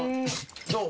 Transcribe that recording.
どう？